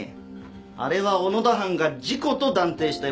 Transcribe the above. あれは小野田班が事故と断定したヤマだ。